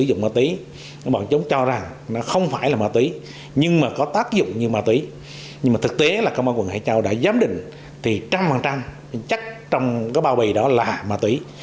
điều này có tác dụng như ma túy nhưng thực tế là công an quận hải châu đã giám định thì một trăm linh chắc trong cái bao bì đó là ma túy